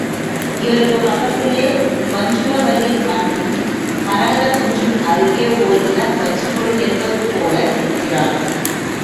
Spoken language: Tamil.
இவருக்குப் பக்கத்திலே வஞ்சுளவல்லி, மன்னும் மரகதக் குன்றின் அருகே ஓர் இளம் வஞ்சிக்கொடி நிற்பதுபோல நிற்கிறாள்.